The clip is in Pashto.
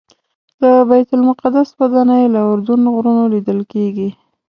د بیت المقدس ودانۍ له اردن غرونو لیدل کېږي.